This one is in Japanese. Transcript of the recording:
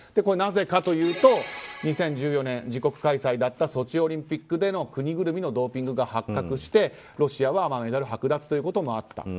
なぜかというと２０１４年、自国開催だったソチオリンピックでの国ぐるみのドーピングが発覚してロシアはメダルはく奪ということもあった。